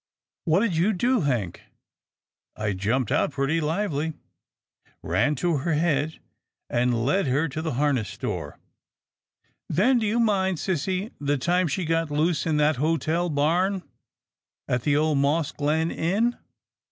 " What did you do, Hank?" I jumped out pretty lively, ran to her head, and led her to the harness store — Then, do you mind, sissy, the time she got loose in that hotel barn at the old Moss Glen Inn?